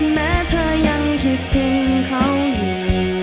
แม้เธอยังคิดถึงเขาอยู่